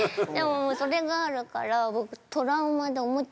それがあるから。